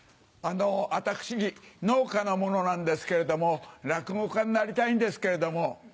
あの私農家の者なんですけれども落語家になりたいんですけれども。